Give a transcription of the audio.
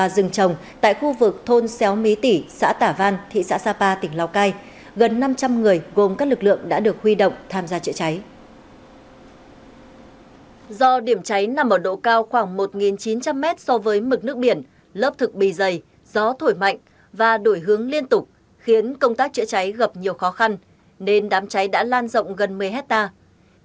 do điểm cháy nằm ở độ cao khoảng một chín trăm linh m so với mực nước biển lớp thực bì dày gió thổi mạnh và đổi hướng liên tục khiến công tác chữa cháy gặp nhiều khó khăn nên đám cháy đã lan rộng gần một mươi hectare